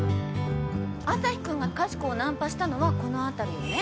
アサヒくんがかしこをナンパしたのはこの辺りよね。